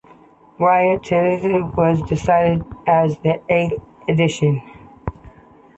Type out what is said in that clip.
The Whist treatise was described as the "eighth" edition.